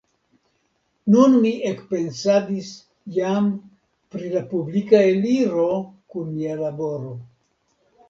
Nun mi ekpensadis jam pri la publika eliro kun mia laboro.